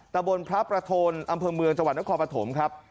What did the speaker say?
ตะบนพระประโทนอำเภอเมืองจังหวัดนครปฐมครับ